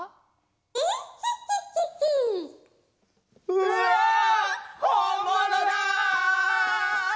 うわほんものだ！